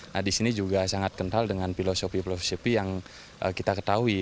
nah di sini juga sangat kental dengan filosofi filosofi yang kita ketahui